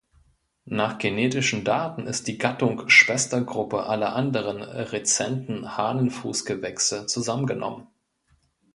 Nach genetischen Daten ist die Gattung Schwestergruppe aller anderen rezenten Hahnenfußgewächse zusammengenommen.